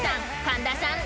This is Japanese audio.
神田さん。